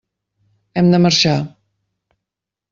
Hem de marxar.